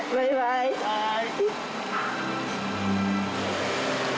はい。